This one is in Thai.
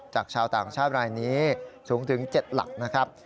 ชาวต่างชาติรายนี้สูงถึง๗หลักนะครับ